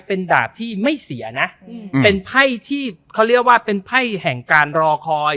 เป็นดาบที่ไม่เสียนะเป็นไพ่ที่เขาเรียกว่าเป็นไพ่แห่งการรอคอย